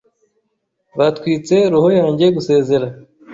Byatwitse roho yanjye gusezera.